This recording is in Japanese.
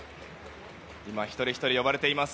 今、一人ひとり呼ばれています。